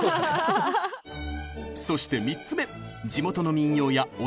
そして３つ目！